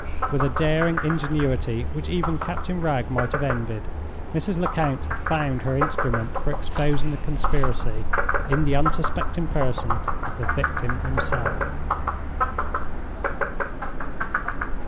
With a daring ingenuity which even Captain Wragge might have envied, Mrs. Lecount had found her instrument for exposing the conspiracy in the unsuspecting person of the victim himself!